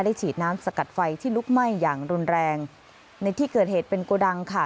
ฉีดน้ำสกัดไฟที่ลุกไหม้อย่างรุนแรงในที่เกิดเหตุเป็นโกดังค่ะ